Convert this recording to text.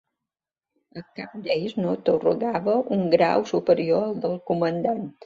A cap d'ells no atorgava un grau superior al de comandant